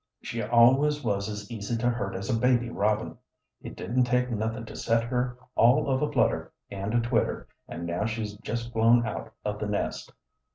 She always was as easy to hurt as a baby robin; it didn't take nothing to set her all of a flutter and a twitter; and now she's just flown out of the nest.